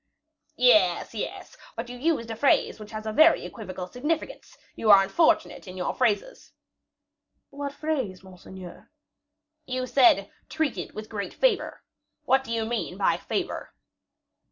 "Yes, yes,; but you used a phrase which has a very equivocal significance; you are unfortunate in your phrases." "What phrase, monseigneur?" "You said, 'treated with great favor.' What do you mean by favor?"